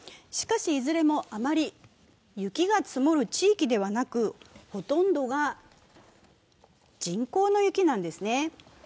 しかし、いずれもあまり雪が積もる地位ではなく、ほとんどが人工の雪なんです。